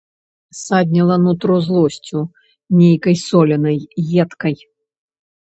Садніла нутро злосцю нейкай соленай, едкай.